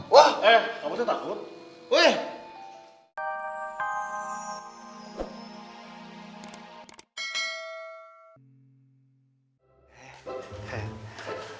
wah eh kamu takut